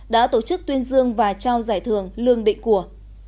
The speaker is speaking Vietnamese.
đã tổ chức tuyên dương và trao giải thưởng lương định của